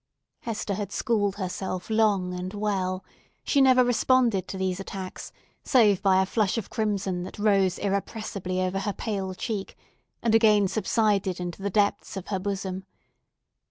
Hester had schooled herself long and well; and she never responded to these attacks, save by a flush of crimson that rose irrepressibly over her pale cheek, and again subsided into the depths of her bosom.